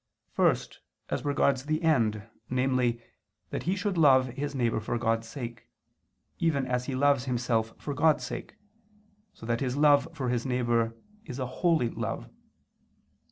First, as regards the end, namely, that he should love his neighbor for God's sake, even as he loves himself for God's sake, so that his love for his neighbor is a holy love.